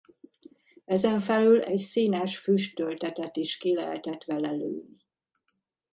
Ezenfelül egy színes füst töltetet is ki lehetett vele lőni.